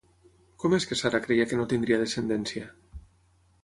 Com és que Sara creia que no tindria descendència?